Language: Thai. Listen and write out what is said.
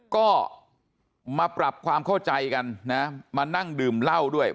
ก็มาปรับความเข้าใจกันนะมานั่งดื่มเหล้าด้วย